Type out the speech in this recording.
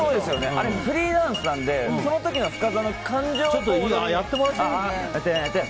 あれフリーダンスなのでその時の深澤のやってもらっていい？